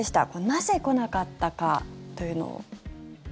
なぜ来なかったかというのを。